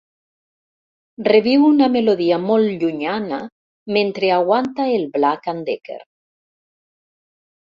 “Reviu una melodia molt llunyana mentre aguanta el black'n'decker.